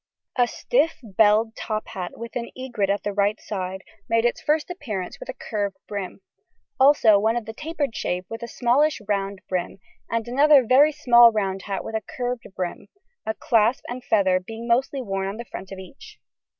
A stiff belled top hat with an egret at the right side made its first appearance with a curved brim, also one of a tapered shape with a smallish round brim, and another very small round hat with a curved brim, a clasp and feather being mostly worn on the front of each.